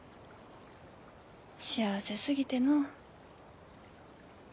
幸せすぎてのう。